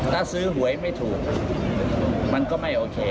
ถ้าซื้อหวยไม่ถูกมันก็ไม่โอเค